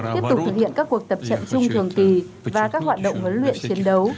tiếp tục thực hiện các cuộc tập trận chung thường kỳ và các hoạt động huấn luyện chiến đấu